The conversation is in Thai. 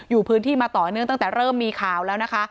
อยู่พื้นที่มาต่อเนื่องตั้งแต่เริ่มมีข่าวแล้วนะคะ